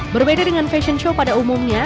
berbeda dengan fashion show pada umumnya